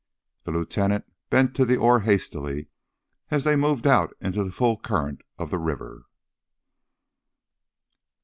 The lieutenant bent to the oar hastily as they moved out into the full current of the river.